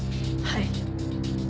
はい。